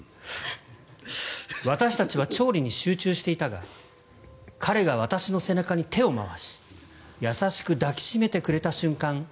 私たちは調理に集中していたが彼が私の背中に手を回し優しく抱きしめてくれた瞬間